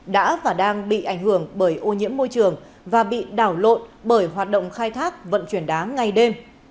đã và đang bị ảnh hưởng bởi ô nhiễm môi trường và bị đảo lộn bởi hoạt động khai thác vận chuyển đá ngay đêm